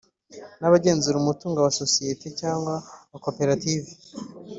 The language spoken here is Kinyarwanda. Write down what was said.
Nabagenzura umutungo wa sosiyete cyangwa wa koperative